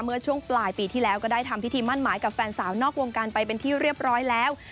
เมื่อช่วงปลายปีที่แล้วก็ได้ทำพิธีมั่นหมายกับแฟนสาวนอกวงการไปเป็นที่เรียบร้อยแล้ว